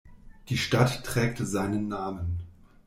Die Stadt trägt seinen Namen.